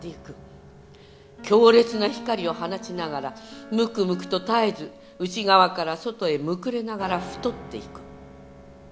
「強烈な光を放ちながらむくむくと絶えず内側から外へむくれながら太っていく」